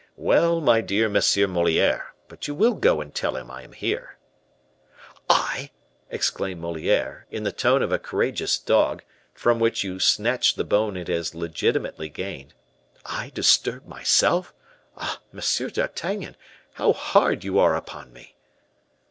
"Well, my dear Monsieur Moliere, but you will go and tell him I am here." "I!" exclaimed Moliere, in the tone of a courageous dog, from which you snatch the bone it has legitimately gained; "I disturb myself! Ah! Monsieur d'Artagnan, how hard you are upon me!"